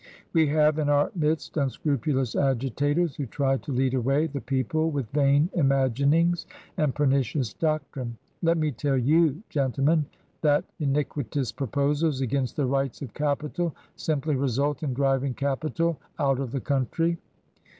We have in our midst unscrupulous agitators who try to lead away the people with vain imaginings and pernicious doctrine. Let me tell you, gentlemen, that iniquitous proposals against the rights of capital simply result in driving capital out of the country.